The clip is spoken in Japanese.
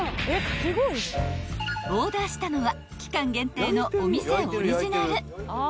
［オーダーしたのは期間限定のお店オリジナル］